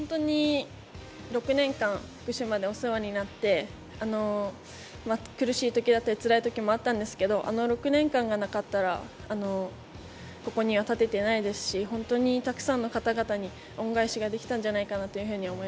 ６年間、福島でお世話になって、苦しいときだったり、つらいときもあったんですけど、あの６年間がなかったら、ここには立ててないですし、本当にたくさんの方々に恩返しができたんじゃないかなって思い